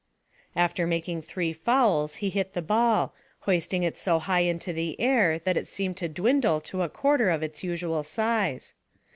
After making three fouls, he hit the ball, hoisting it so high into the air that it seemed to dwindle to a quarter of its usual size.